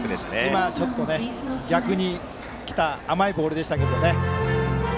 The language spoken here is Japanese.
今のは逆に来た甘いボールでしたけどね。